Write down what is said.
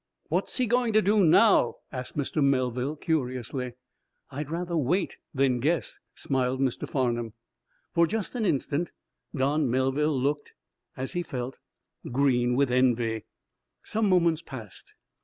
"What's he going to do now?" asked Mr. Melville, curiously. "I'd rather wait than guess," smiled Mr. Farnum. For just an instant Don Melville looked, as he felt, green with envy. Some moments passed.